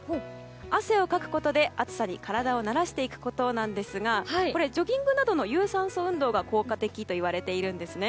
汗をかくことで暑さに体を慣らしていくことなんですがジョギングなどの有酸素運動が効果的と言われているんですね。